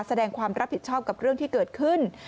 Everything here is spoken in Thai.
แสดงความรับผิดชอบกับเรื่องที่เกิดขึ้น